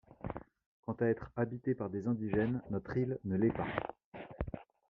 Quant à être habitée par des indigènes, notre île ne l’est pas